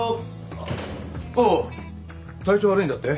おう体調悪いんだって？